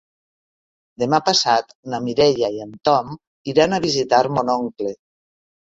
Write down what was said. Demà passat na Mireia i en Tom iran a visitar mon oncle.